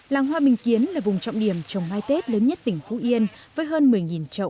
làng hoa bình kiến là vùng trọng điểm trồng mai tết lớn nhất tỉnh phú yên với hơn một mươi trậu